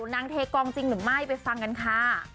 นางเทกองจริงหรือไม่ไปฟังกันค่ะ